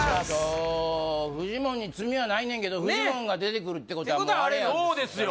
フジモンに罪はないねんけどフジモンが出てくるってことはてことはあれなんですよ